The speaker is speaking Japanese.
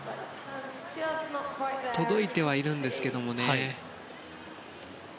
届いてはいるんですが。